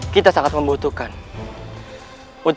kita sangat membutuhkan